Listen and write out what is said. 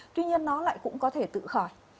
tuy nhiên nó lại cũng có thể tự khỏi